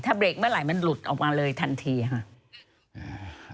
เบรกเมื่อไหร่มันหลุดออกมาเลยทันทีค่ะ